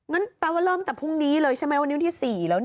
แปลว่าเริ่มจากพรุ่งนี้เลยใช่ไหมวันนี้วันที่๔แล้ว